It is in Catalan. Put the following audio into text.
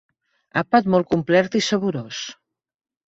Àpat molt complet i saborós.